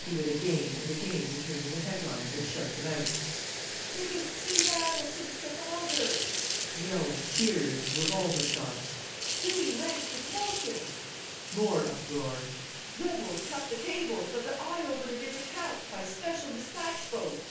He would again and again return to the headlines and shout them out. "Biggest sea battle since Trafalgar!" yells cheers revolver shots! "Dooey ranks with Nelson!" more uproar! "Rebels cut the cables, but the Eye Opener gets account by special dispatch boat!"